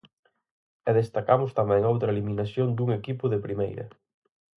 E destacamos tamén outra eliminación dun equipo de Primeira.